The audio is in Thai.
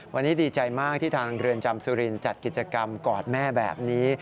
วันนี้ดีใจมากที่ทางเรือนจำสุรินจัดกิจกรรมกอดแม่แบบนี้